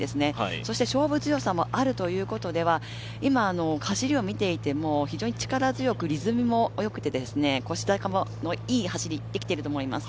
そして勝負強さもあるということでは、今、走りを見ていても非常に力強くリズムもよくて腰高のいい走りができていると思います。